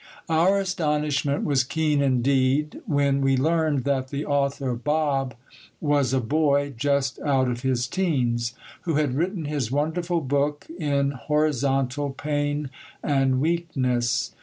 Our astonishment was keen indeed when we learned that the author of Bob was a boy just out of his teens, who had written his wonderful book in horizontal pain and weakness.